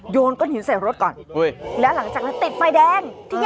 โยนก้อนหินใส่รถก่อนแล้วหลังจากนั้นติดไฟแดง